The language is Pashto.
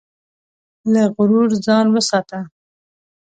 له غرور ځان وساته.